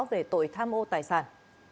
về tội tham ô tài sản